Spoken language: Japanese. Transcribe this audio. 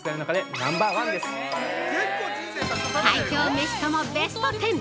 ◆最強メシともベスト１０。